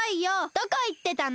どこいってたの？